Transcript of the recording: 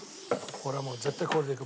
俺はもう絶対これでいく。